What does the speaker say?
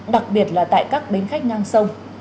đặc biệt là tại các bến khách ngang sông